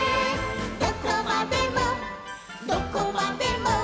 「どこまでもどこまでも」